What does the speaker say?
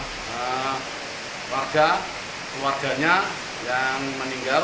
setelah saya sampai di sana memang betul ada keluarganya yang meninggal